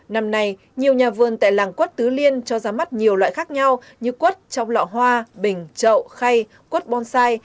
năm nay nhiều nhà vườn tại làng quất tứ liên cho ra mắt nhiều loại khác nhau như quất trong lọ hoa bình trậu khay quất bonsai